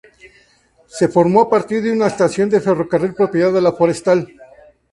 Se formó a partir de una estación de ferrocarril propiedad de La Forestal.